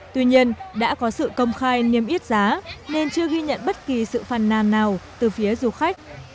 tuy nhiên đã có sự công khai niêm yết giá nên chưa ghi nhận bất kỳ sự phàn nàn nào từ phía du khách